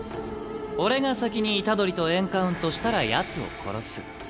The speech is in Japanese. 俺が先に虎杖とエンカウントしたらヤツを殺す。